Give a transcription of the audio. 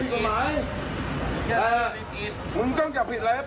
ตัวหมู่ไปทุกร้านสตร์แล้วมาว่าอันนี้ร้านแรก